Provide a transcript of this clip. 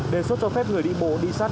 đề xuất cho phép người đi bộ đi sát